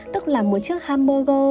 tức là một chiếc hamburger